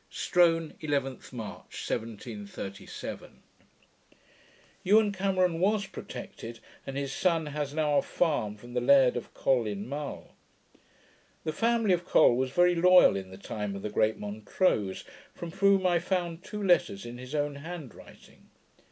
Strone, 11th March, 1737. Ewen Cameron was protected, and his son has now a farm from the Laird of Col, in Mull. The family of Col was very loyal in the time of the great Montrose, from whom I found two letters in his own hand writing.